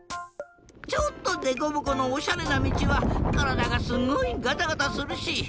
ちょっとデコボコのおしゃれなみちはからだがすごいガタガタするし。